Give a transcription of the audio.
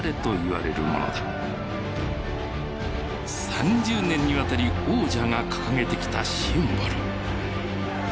３０年にわたり王者が掲げてきたシンボル。